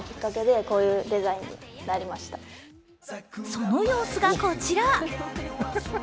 その様子がこちら。